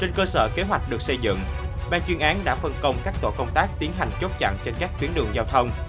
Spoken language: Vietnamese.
trên cơ sở kế hoạch được xây dựng ban chuyên án đã phân công các tổ công tác tiến hành chốt chặn trên các tuyến đường giao thông